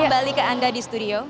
kembali ke anda di studio